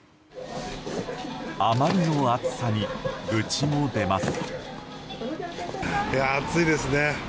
あまりの暑さに愚痴も出ます。